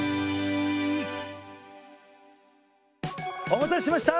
お待たせしました。